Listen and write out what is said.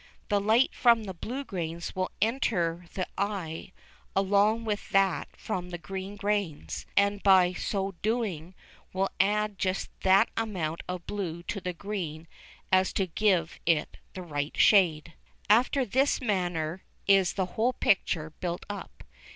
The light from the blue grains will enter the eye along with that from the green grains, and by so doing will add just that amount of blue to the green as to give it the right shade. After this manner is the whole picture built up.